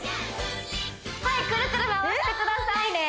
はいくるくる回してくださいね